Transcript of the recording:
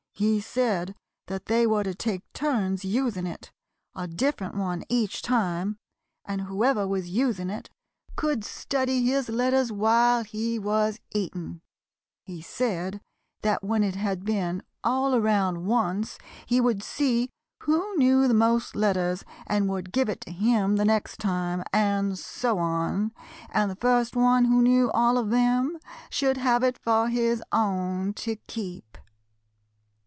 He said that they were to take turns using it, a different one each time, and whoever was using it could study his letters while he was eating. He said that when it had been all around once he would see who knew the most letters and would give it to him the next time, and so on, and the first one who knew all of them should have it for his own, to keep.